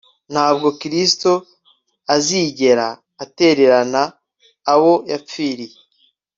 Ntabwo Kristo azigera atererana abo yapfiriye